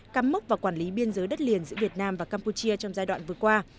cắm mốc và quản lý biên giới đất liền giữa việt nam và campuchia trong giai đoạn vừa qua